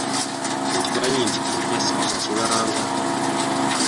Okimanyi nti kkojja ssikusasulanga?